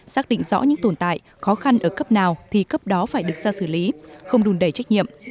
xác định rõ những tồn tại khó khăn ở cấp nào thì cấp đó phải được ra xử lý không đùn đẩy trách nhiệm